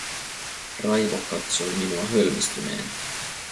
Raivo katsoi minua hölmistyneenä.